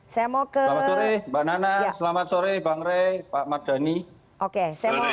selamat sore mbak nana selamat sore bang rey pak mardhani